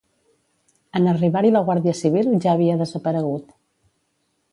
En arribar-hi la Guàrdia Civil, ja havia desaparegut.